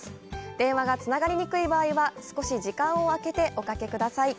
電話がつながりにくい場合は少し時間を空けておかけください。